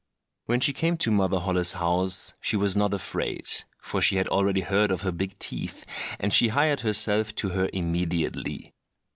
When she came to Mother Holle's house she was not afraid, for she had already heard of her big teeth, and she hired herself to her immediately.